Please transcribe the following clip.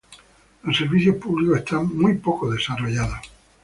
Los servicios públicos están muy poco desarrollados.